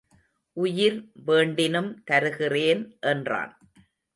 உயிர் வேண்டினும் தருகிறேன் என்றான்.